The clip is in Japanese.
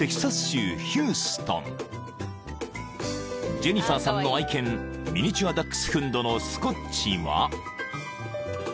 ［ジェニファーさんの愛犬ミニチュア・ダックスフンドのスコッチは］